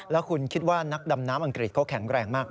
แล้วคุณคิดว่านักดำน้ำอังกฤษเขาแข็งแรงมากไหม